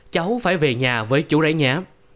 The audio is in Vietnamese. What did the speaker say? cháu phải về nhà với chú đấy nhé